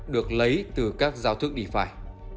được lấy từ các giao thức defi